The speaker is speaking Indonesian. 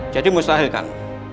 jadi mustahil kan